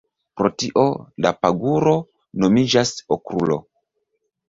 Pro tio, la paguro nomiĝas Okrulo.